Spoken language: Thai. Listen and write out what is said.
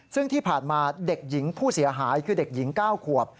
ซึ่งที่ผ่านมาเด็กหญิงผู้เสียหายคือเด็กหญิง๙ขวบ